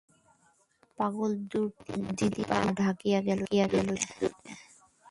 পাগলদিদির দুটি পা ঢাকিয়া গেল সিঁদুরে।